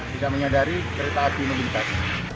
kita menyadari kereta api ini bentar